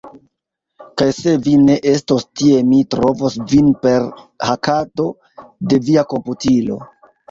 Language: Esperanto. Kaj se vi ne estos tie mi trovos vin per hakado de via komputilo